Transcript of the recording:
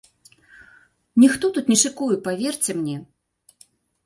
Ніхто тут не шыкуе, паверце мне!